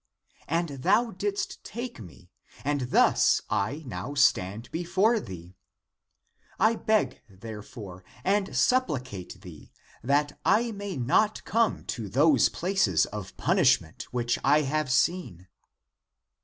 And thou didst take me, and thus I now stand be fore thee. I beg, therefore, and supplicate thee that I may not come to those places of punishment which I have seen."